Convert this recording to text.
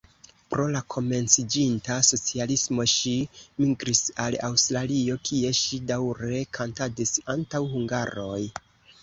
Pro la komenciĝinta socialismo ŝi migris al Aŭstralio, kie ŝi daŭre kantadis antaŭ hungaroj.